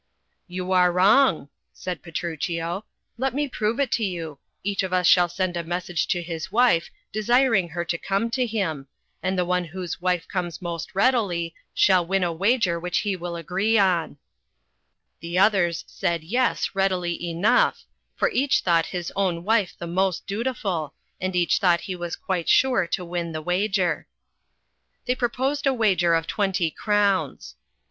"You are wrong," said Petruchio; "let me prove it to you. Each of us shall send a message to his wife, desiring her to come to him, and the one whose wife comes most readily shall win a wager which he will agree on." The others said yes readily enough, for each thought his own PETRUCHIO AND KATHARINE. I BAj it is the moon." /((( 42 THE CHILDREN'S SHAKESPEARE. Wife the most dutiful, and each thought he was quite sure to win the wager. They proposed a wager of twenty crowns.